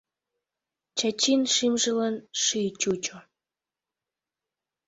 Чачин шӱмжылан шӱй чучо.